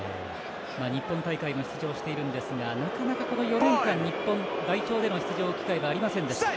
日本大会には出場しているんですがなかなか４年間、日本代表での出場機会がありませんでした。